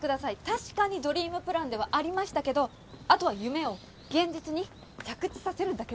確かにドリームプランではありましたけど後は夢を現実に着地させるだけです。